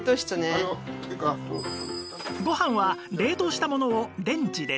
ご飯は冷凍したものをレンジでチン